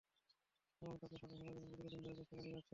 এবং তাঁকে ফাঁদে ফেলার জন্য দীর্ঘ দিন ধরে চেষ্টা চালিয়ে যাচ্ছেন।